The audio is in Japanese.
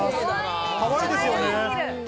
かわいいですよね。